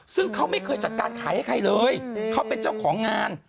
ซึ่งเขาไม่เคยจัดการขายให้ใครเลยเขาเป็นเจ้าของงาน